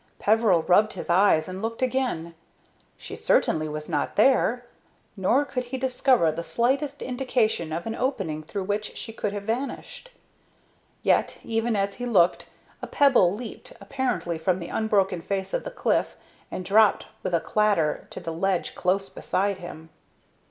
Peveril rubbed his eyes and looked again. She certainly was not there, nor could he discover the slightest indication of an opening through which she could have vanished. Yet, even as he looked, a pebble leaped, apparently from the unbroken face of the cliff, and dropped with a clatter to the ledge close beside him.